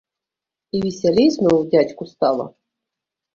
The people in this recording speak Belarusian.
І весялей зноў дзядзьку стала.